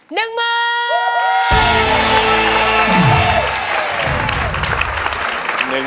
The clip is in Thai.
๑หมื่น